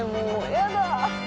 やだ！